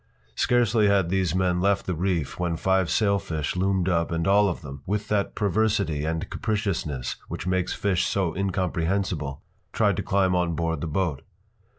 Scarcely had these men left the reef when five sailfish loomed up and all of them, with that perversity and capriciousness which makes fish so incomprehensible, tried to climb on board the boat.